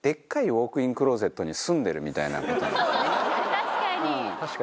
確かに！